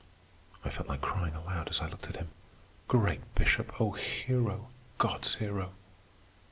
I felt like crying aloud as I looked at him: "Great Bishop! O hero! God's hero!"